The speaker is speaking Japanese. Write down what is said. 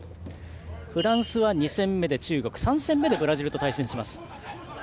フランスは２戦目で中国３戦目でブラジルと対戦。